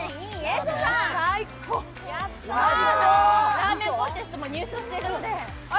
ラーメンコンテストも入賞しているので。